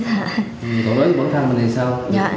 tổ đối với bản thân mình thì sao